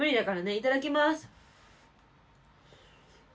いただきます。